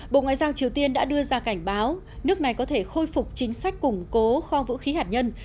bộ ngoại giao triều tiên đã đưa ra cảnh báo nước này có thể khôi phục chính sách củng cố kho vũ khí hạt nhân